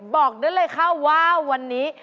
บอกได้เลยค่ะว่าวันนี้